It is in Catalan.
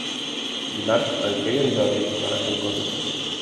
Dimarts en Quer i en Jordi van a Juncosa.